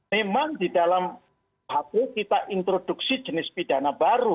memang di dalam hp kita introduksi jenis pidana baru